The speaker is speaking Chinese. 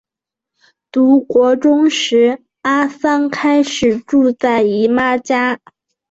读国中时阿桑开始住在姨妈家。